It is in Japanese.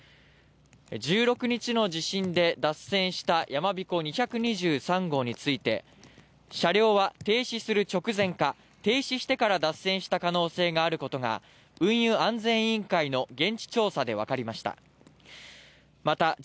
１６日の地震で脱線した、やまびこ２２３号について、車両は停止する直前か、停止してから脱線した可能性があることが運輸安全委員会の現地調査でわかりました。